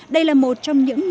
đây là một trong những nội dung